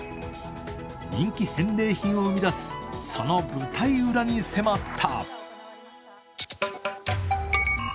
人気返礼品を生み出すその舞台裏に迫った。